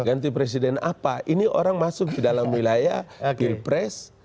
ganti presiden apa ini orang masuk ke dalam wilayah pilpres